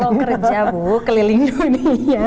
kalau kerja bu keliling dunia